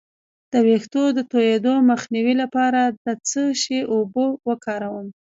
د ویښتو د تویدو مخنیوي لپاره د څه شي اوبه وکاروم؟